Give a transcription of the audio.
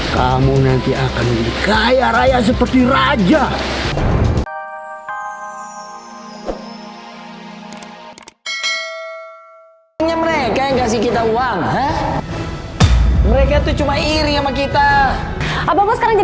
kamu nanti akan dikaya raya seperti raja